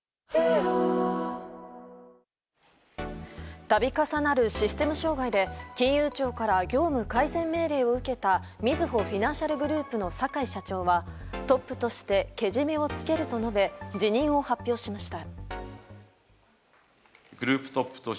度重なるシステム障害で金融庁から業務改善命令を受けたみずほフィナンシャルグループの坂井社長はトップとしてけじめをつけると述べ辞任を発表しました。